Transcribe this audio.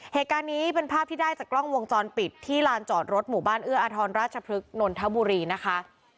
เหตุการณ์นี้เป็นภาพที่ได้จากกล้องวงจรปิดที่ลานจอดรถหมู่บ้านเอื้ออาทรราชพฤกษ์นนทบุรีนะคะ